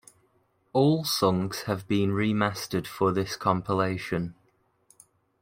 All songs have been remastered for this compilation.